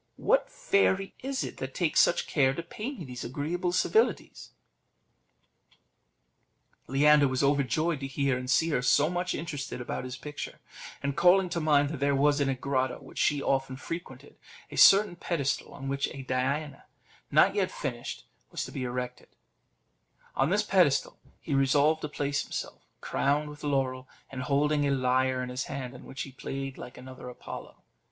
What fairy is it that takes such care to pay me these agreeable civilities?" Leander was overjoyed to hear and see her so much interested about his picture, and calling to mind that there was in a grotto which she often frequented a certain pedestal, on which a Diana, not yet finished, was to be erected, on this pedestal he resolved to place himself, crowned with laurel, and holding a lyre in his hand, on which he played like another Apollo.